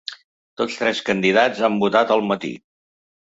Tots tres candidats han votat al matí.